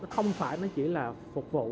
không phải nó chỉ là phục vụ